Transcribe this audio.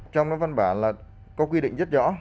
trong đó văn bản là có quy định rất rõ